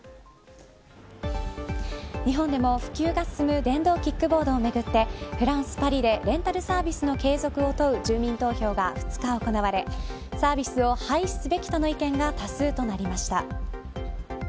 日本でも普及が進む電動キックボードをめぐってフランス、パリでレンタルサービスの継続を問う住民投票が２日行われサービスを廃止すべきとの意見が多数となりました。